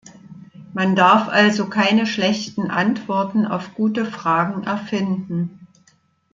Man darf also keine schlechten Antworten auf gute Fragen erfinden.